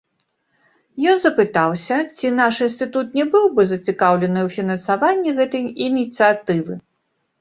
Ён запытаўся, ці наш інстытут не быў бы зацікаўлены ў фінансаванні гэтай ініцыятывы.